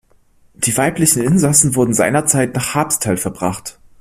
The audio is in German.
Die weiblichen Insassen wurden seinerzeit nach Habsthal verbracht.